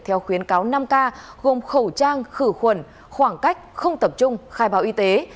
theo khuyến cáo năm k gồm khẩu trang khử khuẩn khoảng cách không tập trung khai báo y tế